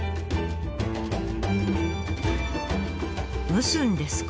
蒸すんですか。